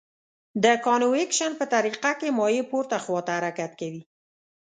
د کانویکشن په طریقه کې مایع پورته خواته حرکت کوي.